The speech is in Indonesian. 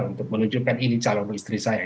untuk menunjukkan ini calon istri saya